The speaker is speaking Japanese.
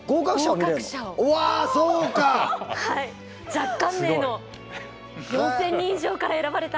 若干名の４，０００人以上から選ばれた。